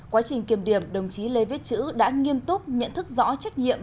quá trình kiểm điểm đồng chí lê viết chữ đã nghiêm túc nhận thức rõ trách nhiệm